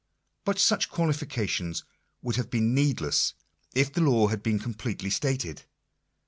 But such qualifications would have been needless, if the law had been completely stated.